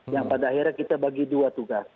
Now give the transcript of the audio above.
yang pada akhirnya kita bagi dua tugas